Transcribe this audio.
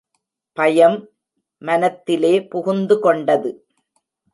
பயம் மனத்திலே புகுந்துகொண்டது!